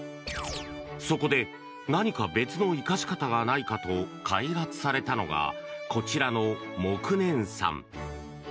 そこで何か別の生かし方がないかと開発されたのがこちらの、もくねんさん。